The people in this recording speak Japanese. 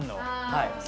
はい。